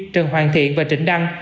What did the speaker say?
trần hoàng thiện và trịnh đăng